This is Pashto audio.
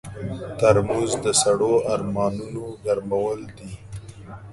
ترموز د سړو ارمانونو ګرمول دي.